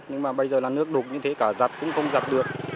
nhưng mà bây giờ là nước đục như thế cả giặt cũng không gặt được